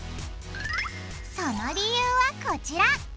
その理由はこちら。